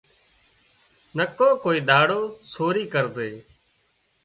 نڪو ڪوئي ۮاڙو سوري ڪرزي